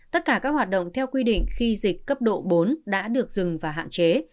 tất cả các hoạt động theo quy định khi dịch cấp độ bốn đã được dừng và hạn chế